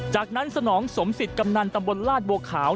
จากนั้นสนองสมศิษย์กำนันตำบลลาดบัวขาว